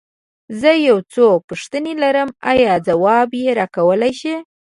زه يو څو پوښتنې لرم، ايا ځواب يې راکولی شې؟